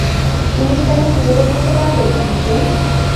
তুমি কি তাকে খুঁজে বের করতে পারবে, তিনি কে?